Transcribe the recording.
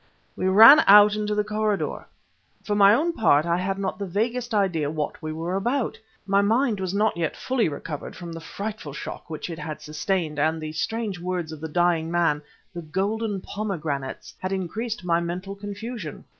We ran out into the corridor. For my own part I had not the vaguest idea what we were about. My mind was not yet fully recovered from the frightful shock which it had sustained; and the strange words of the dying man "the golden pomegranates" had increased my mental confusion.